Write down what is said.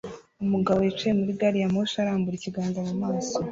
Umugabo yicaye muri gari ya moshi arambura ikiganza mu maso